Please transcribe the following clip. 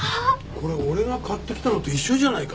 これ俺が買ってきたのと一緒じゃないか？